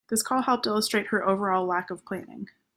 This call helped illustrate her overall lack of planning.